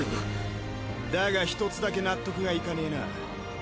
だが一つだけ納得がいかねえな。